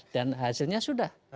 dan hasilnya sudah